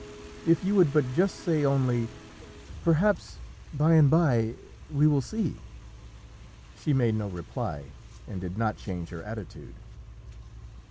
If you would but just say only, 'Perhaps by and by we will see.'" She made no reply, and did not change her attitude.